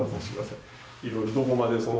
いろいろどこまでその。